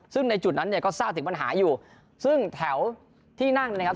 ซึ่งในจุดนั้นเนี่ยก็ทราบถึงปัญหาอยู่ซึ่งแถวที่นั่งนะครับ